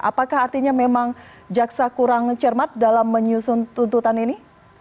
apakah artinya memang jaksa kurang cermat dalam menyusun tuntutan ini